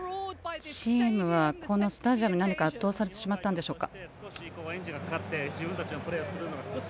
チームはこのスタジアムに圧倒されてしまったんでしょうか。